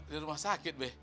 di rumah sakit be